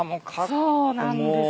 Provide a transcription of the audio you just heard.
そうなんですよ。